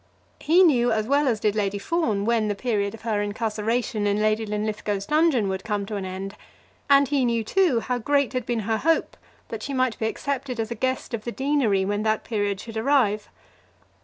He knew as well as did Lady Fawn when the period of her incarceration in Lady Linlithgow's dungeon would come to an end; and he knew, too, how great had been her hope that she might be accepted as a guest at the deanery when that period should arrive.